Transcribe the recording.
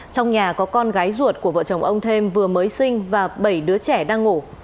trong nhà có con gái ruột của vợ chồng ông thêm vừa mới sinh và bảy đứa trẻ đang ngủ